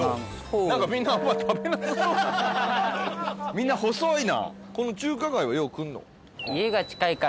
みんな細いな！